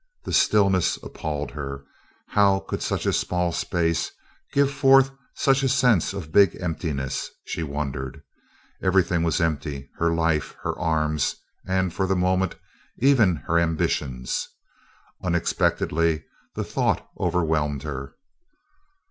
The stillness appalled her. How could such a small space give forth such a sense of big emptiness, she wondered. Everything was empty her life, her arms, and, for the moment, even her ambitions. Unexpectedly the thought overwhelmed her.